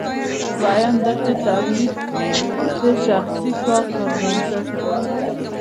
دویم دا چې تولید د شخصي کار پر بنسټ دی.